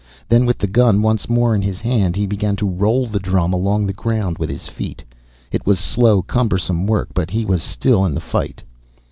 Then, with the gun once more in his hand, he began to roll the drum along the ground with his feet. It was slow, cumbersome work, but he was still in the fight.